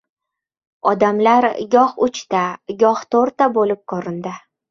Odamlar goh uchta, goh to‘rtta bo‘lib ko‘rindi...